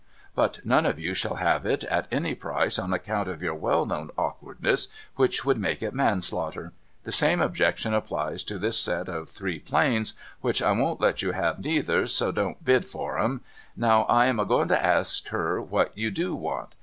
But none of you shall have it at any price, on account of 30ur well known awkwardness, which would make it manslaughter. The same objection applies to this set of three planes which I won't let you have neither, so don't bid for 'em. Now I am a going to ask her what you do want.'